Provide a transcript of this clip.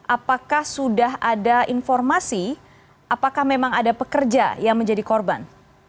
apakah sudah ada informasi apakah memang ada pekerja yang menjadi korban